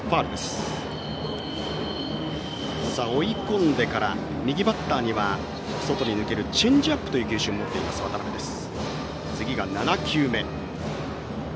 追い込んでから右バッターには外に抜けるチェンジアップという球種を持っている渡辺です。